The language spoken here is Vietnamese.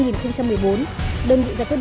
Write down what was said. đơn vị ra quyết định